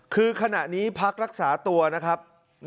คือขณะนี้พักรักษาตัวนะครับ